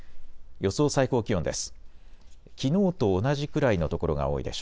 予想最高気温です。